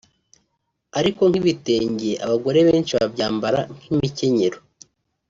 Ariko nk'ibitenge abagore benshi babyambara nk'imikenyero